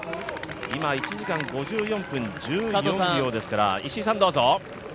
今１時間５４分１４秒です。